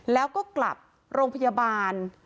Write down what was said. แล้วก็กลับโรงพยาบาล